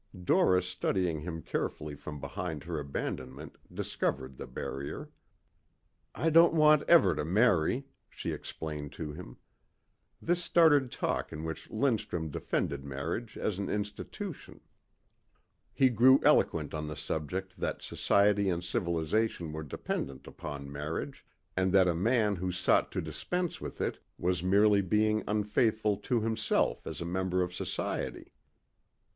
Doris studying him carefully from behind her abandonment discovered the barrier. "I don't want ever to marry," she explained to him. This started talk in which Lindstrum defended marriage as an institution. He grew eloquent on the subject that society and civilization were dependent upon marriage and that a man who sought to dispense with it was merely being unfaithful to himself as a member of society.